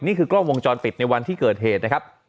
นี่คือกล้องวงจรปิดในวันที่เกิดเหตุนะครับ